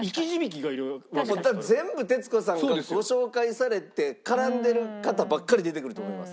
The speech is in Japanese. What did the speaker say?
全部徹子さんがご紹介されて絡んでる方ばっかり出てくると思います。